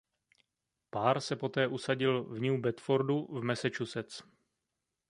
Pár se poté usadil v New Bedfordu v Massachusetts.